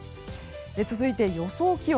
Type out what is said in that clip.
続いて予想気温。